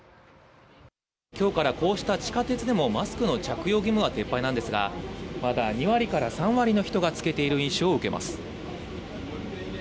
きょうからこうした地下鉄でも、マスクの着用義務は撤廃なんですが、まだ２割から３割の人がつけている印象を受けます。